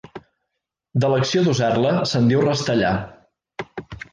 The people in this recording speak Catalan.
De l'acció d'usar-la se'n diu rastellar.